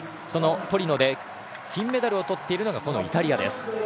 そのトリノで金メダルをとっているのがイタリアです。